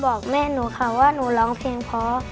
บอกแม่หนูค่ะว่าหนูร้องเพลงเพราะ